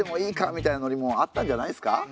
みたいなノリもあったんじゃないですか。